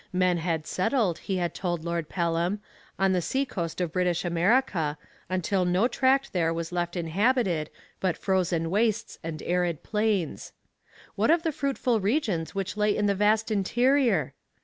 Men had settled, he told Lord Pelham, on the sea coast of British America, until no tract there was left uninhabited but frozen wastes and arid plains. What of the fruitful regions which lay in the vast interior?